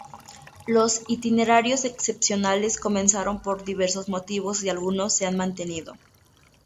Los itinerarios excepcionales, comenzaron por diversos motivos y algunos se han mantenido.